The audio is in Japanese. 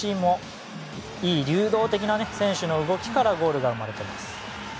いい流動的な選手の動きからゴールが生まれています。